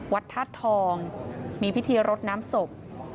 ธาตุทองมีพิธีรดน้ำศพ